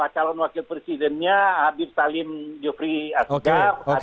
calon wakil presidennya abie salim jufri azzaf